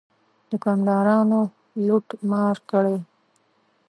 دوکاندارانو لوټ مار کړی.